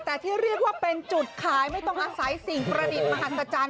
แต่ที่เรียกว่าเป็นจุดขายไม่ต้องอาศัยสิ่งประดิษฐ์มหัศจรรย